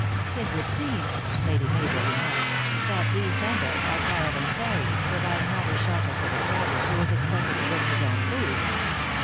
"It would seem," Lady Mabel remarked, "that these Vendas are caravansaries, providing only shel ter for the traveler, who is expected to bring his own food."